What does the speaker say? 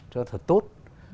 cho thật tốt